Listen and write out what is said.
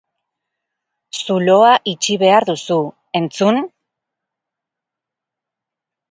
Zuloa itxi behar duzu, entzun?